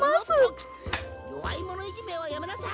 「よわいものいじめはやめなさい」。